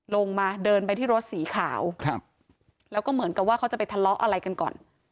ลงมาเดินไปที่รถสีขาวครับแล้วก็เหมือนกับว่าเขาจะไปทะเลาะอะไรกันก่อน